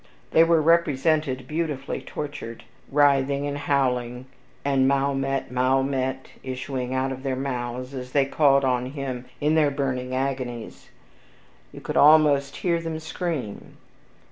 They were represented beautifully tortured, writhing and howling, and "Mahomet! Mahomet!" issuing out of their mouths, as they called on him in their burning agonies; you could almost hear them scream.